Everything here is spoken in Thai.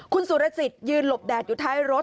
คุณสุรสิทธิ์ยืนหลบแดดอยู่ท้ายรถ